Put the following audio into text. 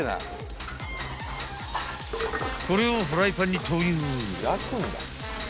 ［これをフライパンに投入］